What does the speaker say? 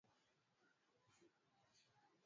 Tutarudi kila siku.